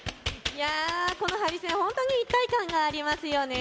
このハリセン、一体感がありますよね。